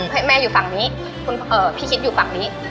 ให้แม่อยู่ฝั่งนี้พี่คิดอยู่ฝั่งนี้